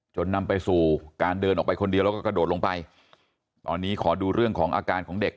นำไปสู่การเดินออกไปคนเดียวแล้วก็กระโดดลงไปตอนนี้ขอดูเรื่องของอาการของเด็ก